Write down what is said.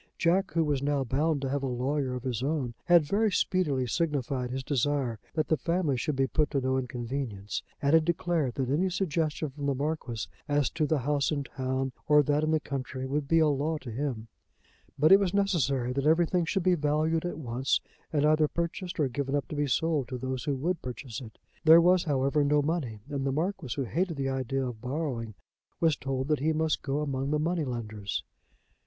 Jack, who was now bound to have a lawyer of his own, had very speedily signified his desire that the family should be put to no inconvenience, and had declared that any suggestion from the Marquis as to the house in town or that in the country would be a law to him. But it was necessary that everything should be valued at once, and either purchased or given up to be sold to those who would purchase it. There was, however, no money, and the Marquis who hated the idea of borrowing was told that he must go among the money lenders.